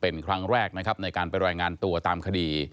เป็นครั้งแรกนะครับในการไปรายงานตัวตามคดี